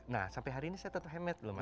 nah sampai hari ini saya tetap hemat belum mas